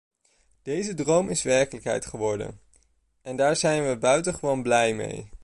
Deze droom is werkelijkheid geworden, en daar zijn we buitengewoon blij mee!